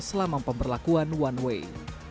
selama pemberlakuan one way